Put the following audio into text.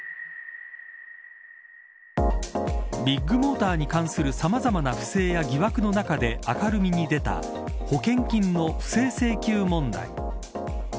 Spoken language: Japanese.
ビッグモーターに関するさまざまな不正や疑惑の中で明るみに出た保険金の不正請求問題。